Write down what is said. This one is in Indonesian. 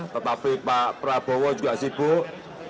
tetapi pak prabowo juga sibuk